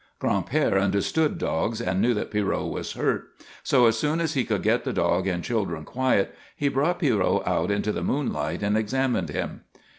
Gran'père understood dogs and knew that Pierrot was hurt, so as soon as he could get the dog and children quiet he brought Pierrot out into the moonlight and examined him.